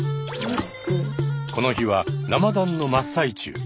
この日はラマダンの真っ最中。